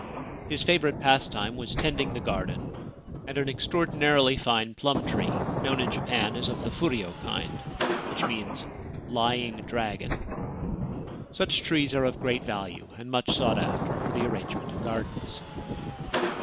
His favourite pastime was tending the garden and an extraordinarily fine plum tree known in Japan as of the furyo kind (which means c lying dragon '). Such trees are of great value, and much sought after for the arrangement of gardens.